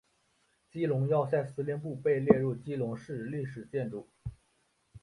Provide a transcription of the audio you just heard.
基隆要塞司令部被列入基隆市历史建筑。